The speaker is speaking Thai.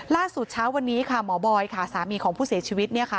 ล่าสุดเช้าวันนี้ค่ะหมอบอยค่ะสามีของผู้เสียชีวิต